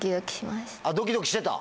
ドキドキしてた？